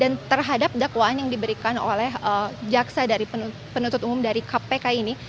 dan terhadap dakwaan yang diberikan oleh jaksa penuntut umum dari kpk ini